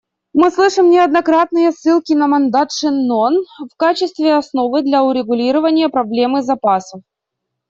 Мы слышим неоднократные ссылки на мандат Шеннон в качестве основы для урегулирования проблемы запасов.